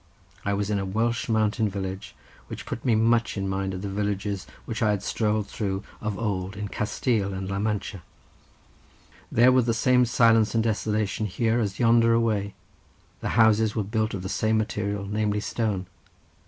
I was in a Welsh mountain village, which put me much in mind of the villages which I had strolled through of old in Castile and La Mancha; there were the same silence and desolation here as yonder away—the houses were built of the same material, namely stone.